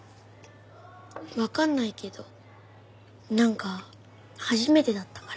わかんないけどなんか初めてだったから。